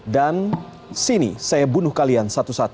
dan sini saya bunuh kalian